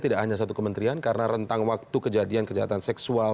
tidak hanya satu kementerian karena rentang waktu kejadian kejahatan seksual